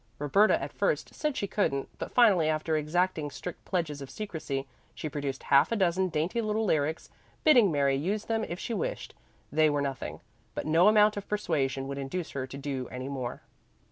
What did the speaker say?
Roberta at first said she couldn't, but finally, after exacting strict pledges of secrecy, she produced half a dozen dainty little lyrics, bidding Mary use them if she wished they were nothing. But no amount of persuasion would induce her to do any more.